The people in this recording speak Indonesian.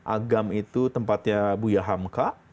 agam itu tempatnya buya hamka